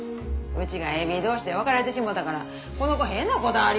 うちがＡＢ同士で別れてしもたからこの子変なこだわりあって。